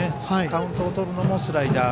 カウントをとるのもスライダー。